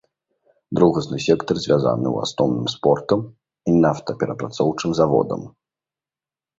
Другасны сектар звязаны ў асноўным з портам і нафтаперапрацоўчым заводам.